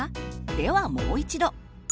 ではもう一度。